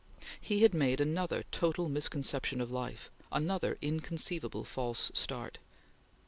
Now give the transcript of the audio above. He had made another total misconception of life another inconceivable false start.